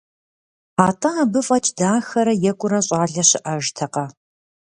Атӏэ абы фӏэкӏ дахэрэ екӏурэ щӏалэ щыӏэжкъэ?